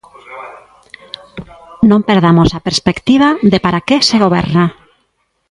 Non perdamos a perspectiva de para que se goberna.